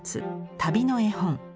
「旅の絵本」。